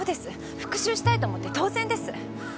復讐したいと思って当然です。